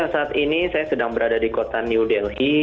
saat ini saya sedang berada di kota new delhi